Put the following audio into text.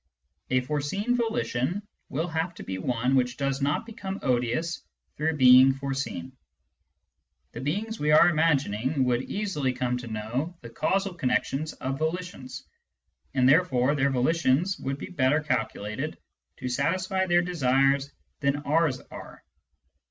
A foreseen volition will have to be one which does not become odious through being foreseen. The beings we are imagining would easily come to know the causal connections of volitions, and therefore their volitions would be better calculated to satisfy their desires than ours are.